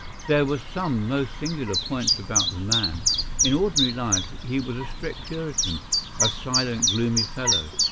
"There were some most singular points about the man. In ordinary life, he was a strict Puritan—a silent, gloomy fellow.